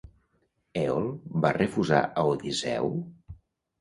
Èol va refusar a Odisseu?